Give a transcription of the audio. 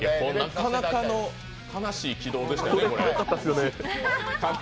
なかなかの悲しい軌道でしたよね。